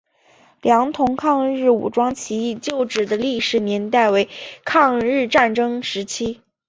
良垌抗日武装起义旧址的历史年代为抗日战争时期。